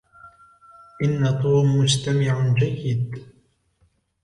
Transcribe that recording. إن توم مستمع جيد